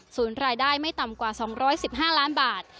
รายได้ไม่ต่ำกว่า๒๑๕ล้านบาท